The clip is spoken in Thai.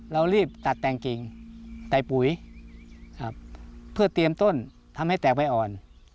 เรารีบตัดแต่งกิ่งใส่ปุ๋ยครับเพื่อเตรียมต้นทำให้แตกใบอ่อน